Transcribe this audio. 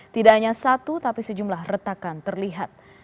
tidak hanya satu tapi sejumlah retakan terlihat